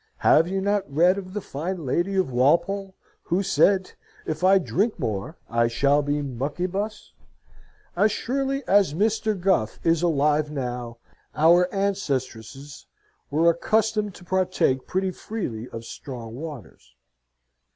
Have you not read of the fine lady in Walpole, who said, "If I drink more, I shall be 'muckibus!'?" As surely as Mr. Gough is alive now, our ancestresses were accustomed to partake pretty freely of strong waters.